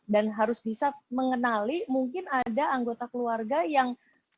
dan harus bisa mengenali mungkin ada anggota keluarga yang